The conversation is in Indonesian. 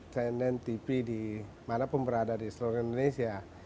saya nen tipi dimanapun berada di seluruh indonesia